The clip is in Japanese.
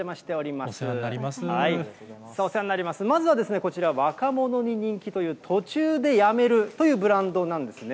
まずはこちら、若者に人気という途中でやめるというブランドなんですね。